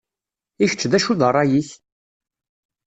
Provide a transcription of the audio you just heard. I kečč d acu d rray-ik?